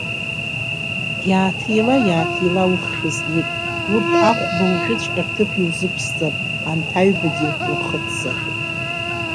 Иааҭила, иааҭила, уххь зеит, урҭ ахәба уажәыҵәҟьа рҭыԥ иузықәсҵап, анҭ аҩбагьы урхыццак!